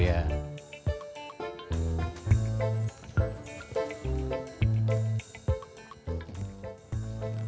kau siapa bu